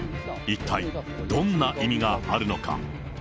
一体、どんな意味があるのか。